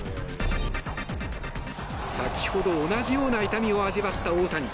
先ほど同じような痛みを味わった大谷。